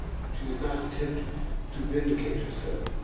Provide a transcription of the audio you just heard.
She did not attempt to vindicate herself.